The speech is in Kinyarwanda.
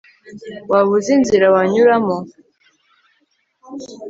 waba uzi inzira wanyuramo